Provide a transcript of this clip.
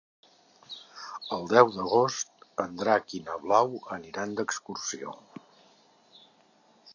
El deu d'agost en Drac i na Blau aniran d'excursió.